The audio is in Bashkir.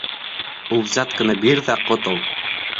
Ул взятканы бир ҙә ҡотол.